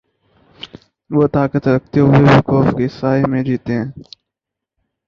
وہ طاقت رکھتے ہوئے بھی خوف کے سائے میں جیتے ہیں۔